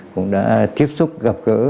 cũng đã tiếp xúc gặp gỡ